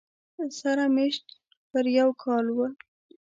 سره مېشت پر یو کاله و